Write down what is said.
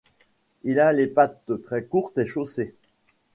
Il a les pattes très courtes et chaussées.